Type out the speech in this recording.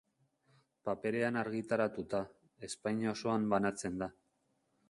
Paperean argitaratuta, Espainia osoan banatzen da.